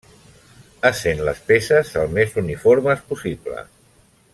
Essent les peces el més uniformes possible.